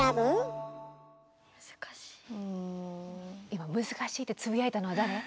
今「難しい」ってつぶやいたのは誰？